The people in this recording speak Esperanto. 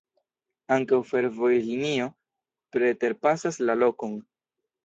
Ankaŭ fervojlinio preterpasas la lokon.